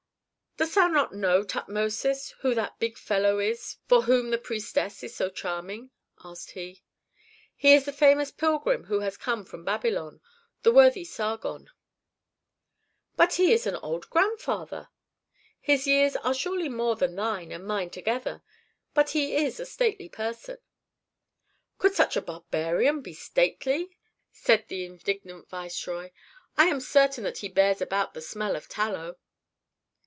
"Dost thou not know, Tutmosis, who that big fellow is for whom the priestess is so charming?" asked he. "He is that famous pilgrim who has come from Babylon, the worthy Sargon." "But he is an old grandfather!" "His years are surely more than thine and mine together; but he is a stately person." "Could such a barbarian be stately!" said the indignant viceroy. "I am certain that he bears about the smell of tallow."